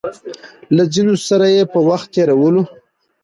له ځينو سره يې په وخت تېرولو